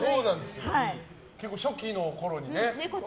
結構、初期のころにね。